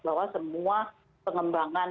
bahwa semua pengembangan